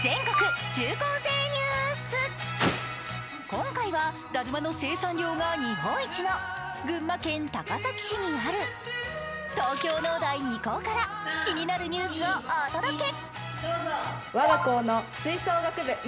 今回はだるまの生産量が日本一の群馬県高崎市にある東京農大二高から気になるニュースをお届け。